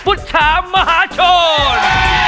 ุตชามหาชน